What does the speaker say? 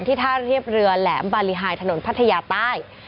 ที่ท่าระเทียบเรือแหลมบริหายถนนพัทยาใต้